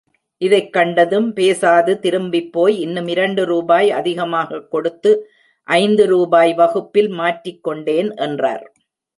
இதைக் கண்டதும், பேசாது திரும்பிப்போய், இன்னும் இரண்டு ரூபாய் அதிகமாகக் கொடுத்து, ஐந்து ரூபாய் வகுப்பில் மாற்றிக்கொண்டேன் என்றார்.